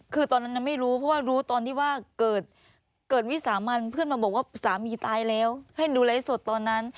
คือตอนนั้นไม่รู้เพราะว่ารู้ตอนที่ว่าเกิดวิสามันเพื่อนมาบอกว่าสามีตายแล้วให้ดูไลฟ์สดตอนนั้น